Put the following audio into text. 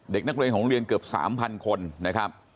เด็กนักเรียนของโรงเรียนเกือบ๓๐๐คนนะครับ